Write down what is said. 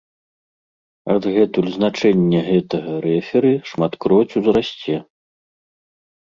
Адгэтуль значэнне гэтага рэферы шматкроць узрасце.